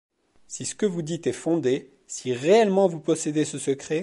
Si ce que vous dites est fondé, si réellement vous possédez ce secret...